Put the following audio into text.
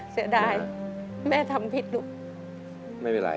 เสียดายแม่ทำผิดลูก